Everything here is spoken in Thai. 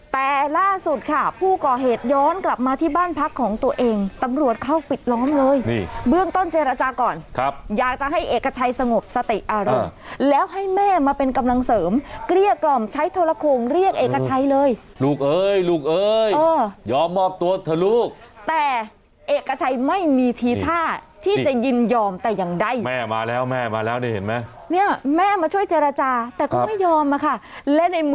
แต่ล่าสุดค่ะผู้ก่อเหตุย้อนกลับมาที่บ้านพักของตัวเองตำรวจเข้าปิดล้อมเลยเบื้องต้นเจรจาก่อนครับอยากจะให้เอกชัยสงบสติอารมณ์แล้วให้แม่มาเป็นกำลังเสริมเกลี้ยกล่อมใช้ธรโครงเรียกเอกชัยเลยลูกเอ้ยลูกเอ้ยยอมมอบตัวเถอะลูกแต่เอกชัยไม่มีทีท่าที่จะยินยอมแต่ยังได้แม่มาแล้วแม่มาแล้วได้